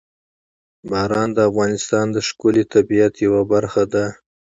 باران د افغانستان د ښکلي طبیعت یوه برخه ده.